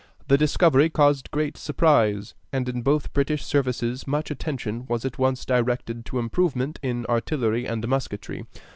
The discovery caused great surprise, and in both British services much attention was at once directed to improvement in artillery and musketry.